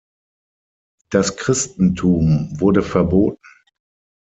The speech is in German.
Das Christentum wurde verboten.